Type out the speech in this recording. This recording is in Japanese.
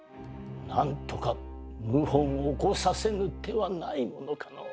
何とか謀反を起こさせぬ手はないものかのう。